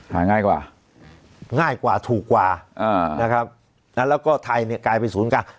หาง่ายกว่าง่ายกว่าถูกกว่าอ่านะครับแล้วก็ไทยเนี่ยกลายเป็นศูนย์กลาง